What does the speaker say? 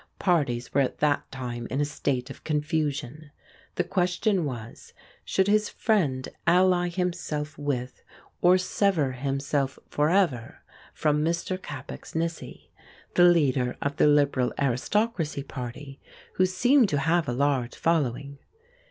Parties were at that time in a state of confusion. The question was, should his friend ally himself with or sever himself for ever from Mr. Capax Nissy, the leader of the Liberal Aristocracy Party, who seemed to have a large following?